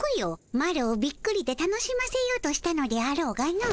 マロをびっくりで楽しませようとしたのであろうがの